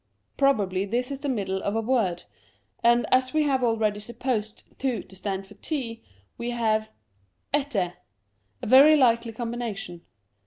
Probably this is the middle of a word, and as we have already supposed 2 to stand for t, we have — ette —, a very likely combination.